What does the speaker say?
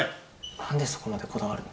なんでそこまでこだわるの？